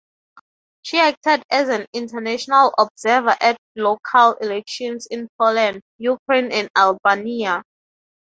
She acted as an international observer at local elections in Poland, Ukraine and Albania.